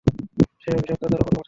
সেই অভিশাপ দাদার উপর পড়েছে।